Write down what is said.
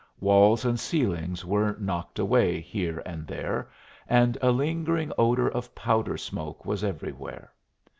Walls and ceilings were knocked away here and there, and a lingering odor of powder smoke was everywhere.